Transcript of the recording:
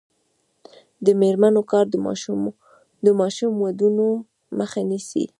د میرمنو کار د ماشوم ودونو مخه نیسي.